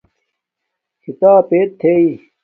کھیتاپ ایت تھݵ